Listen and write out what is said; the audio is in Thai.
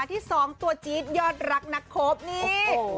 ที่๒ตัวจี๊ดยอดรักนักคบนี่